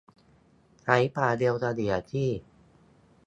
ใช้ความเร็วเฉลี่ยที่